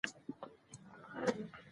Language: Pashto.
کندهار د افغانانو د معیشت سرچینه ده.